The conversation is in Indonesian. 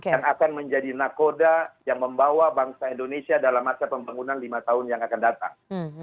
yang akan menjadi nakoda yang membawa bangsa indonesia dalam masa pembangunan lima tahun yang akan datang